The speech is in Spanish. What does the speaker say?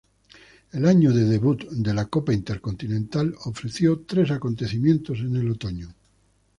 El año de debut de la Copa intercontinental ofreció tres acontecimientos en el otoño.